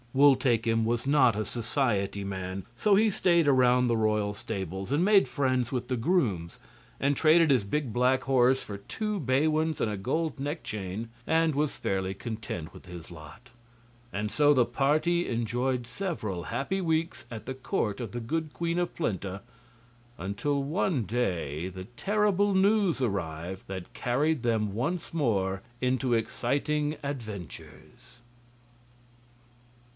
Wul Takim was not a society man, so he stayed around the royal stables and made friends with the grooms, and traded his big black horse for two bay ones and a gold neck chain, and was fairly content with his lot. And so the party enjoyed several happy weeks at the court of the good Queen of Plenta, until one day the terrible news arrived that carried them once more into exciting adventures.